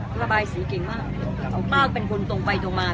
แล้วก็ระบายสีเก่งมากป้าเป็นคนตรงไปตรงมา